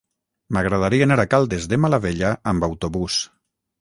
M'agradaria anar a Caldes de Malavella amb autobús.